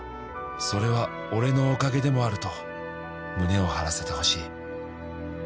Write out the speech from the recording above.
「それは俺のおかげでもあると胸を張らせてほしい」